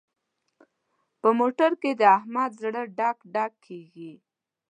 په موټر کې د احمد زړه ډک ډک کېږي.